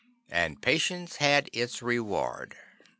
And patience had its reward.